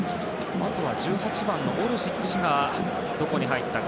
あとは１８番のオルシッチがどこに入ったか。